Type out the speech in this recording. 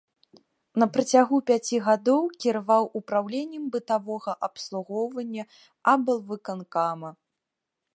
На працягу пяці гадоў кіраваў упраўленнем бытавога абслугоўвання аблвыканкама.